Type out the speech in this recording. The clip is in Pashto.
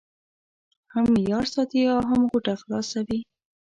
هم معیار ساتي او هم غوټه خلاصوي.